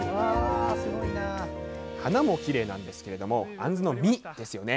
花もきれいなんですがあんずの実ですよね。